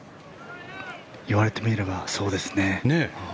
言われてみればそうですね。